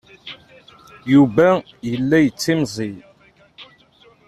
Yuba yella yettimẓiy.